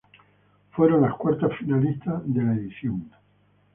Fueron las cuartas finalistas de la edición.